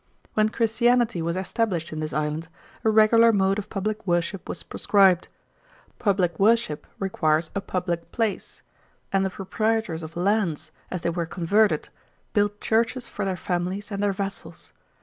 When Christianity was established in this island, a regular mode of publick worship was prescribed. Publick worship requires a publick place; and the proprietors of lands, as they were converted, built churches for their families and their vassals.